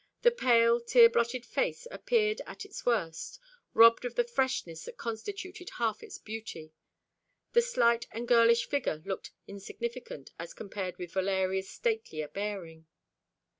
The pale tear blotted face appeared at its worst, robbed of the freshness that constituted half its beauty. The slight and girlish figure looked insignificant as compared with Valeria's statelier bearing.